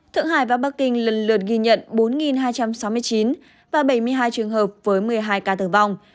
thượng hải và bắc kinh lần lượt ghi nhận bốn hai trăm sáu mươi chín và bảy mươi hai trường hợp với một mươi hai ca tử vong